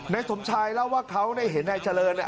นายสมชายเล่าว่าเขาได้เห็นนายเจริญเนี่ย